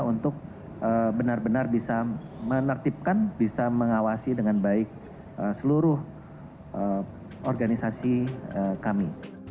untuk benar benar bisa menertibkan bisa mengawasi dengan baik seluruh organisasi kami